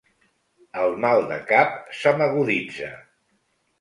El mal de cap se m'aguditza.